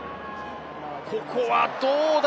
ここは、どうだ？